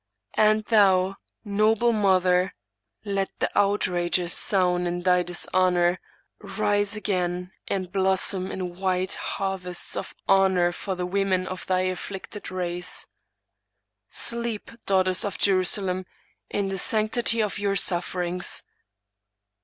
And thou, noble mother, let the outrages sown in thy dis honor, rise again and blossom in wide harvests of honor for the women of thy afflicted race. Sleep, daughters of Jerusalem, in the sanctity of your sufferings.